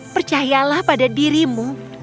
percayalah pada dirimu